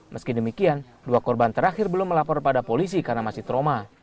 meski demikian dua korban terakhir belum melapor pada polisi karena masih trauma